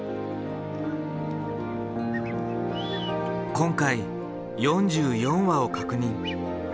今回４４羽を確認。